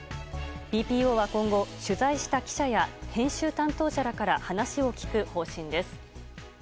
ＢＰＯは今後、取材した記者や編集担当者らから話を聞く方針です。